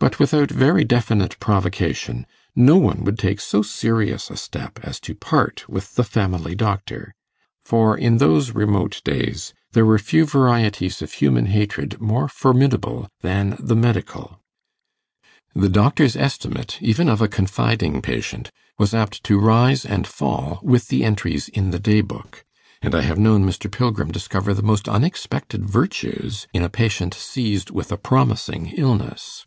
But without very definite provocation no one would take so serious a step as to part with the family doctor, for in those remote days there were few varieties of human hatred more formidable than the medical. The doctor's estimate, even of a confiding patient, was apt to rise and fall with the entries in the day book; and I have known Mr. Pilgrim discover the most unexpected virtues in a patient seized with a promising illness.